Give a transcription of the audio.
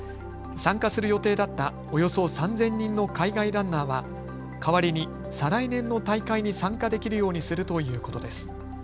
参加する予定だったおよそ３０００人の海外ランナーは代わりに再来年の大会に参加できるようにするということです。